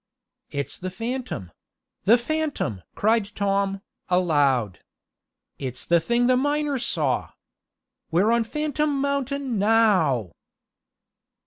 "It's the phantom the phantom!" cried Tom, aloud. "It's the thing the miner saw! We're on Phantom Mountain now!"